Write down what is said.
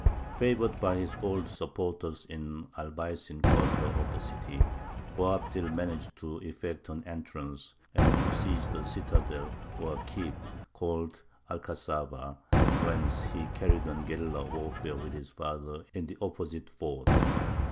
Favoured by his old supporters in the Albaycin quarter of the city, Boabdil managed to effect an entrance, and to seize the citadel or keep called Alcazaba, whence he carried on a guerilla warfare with his father in the opposite fort.